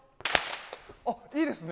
あっ、いいですね。